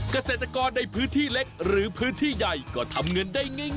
เกษตรกรในพื้นที่เล็กหรือพื้นที่ใหญ่ก็ทำเงินได้ง่าย